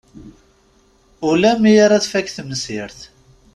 Ula mi ara tfak temsirt.